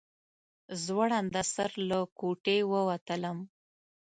زوړنده سر له کوټې ووتلم.